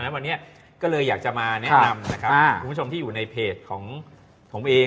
วันนี้ก็เลยอยากจะมาแนะนำนะครับคุณผู้ชมที่อยู่ในเพจของผมเอง